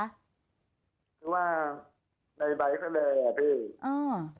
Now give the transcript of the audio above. คือว่าใบซะเลยอะพี่